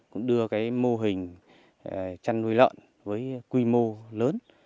cũng đưa mô hình chăn nuôi lợn với quy mô lớn